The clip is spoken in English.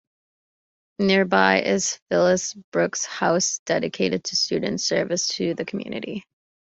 Nearby is Phillips Brooks House, dedicated to student service to the community.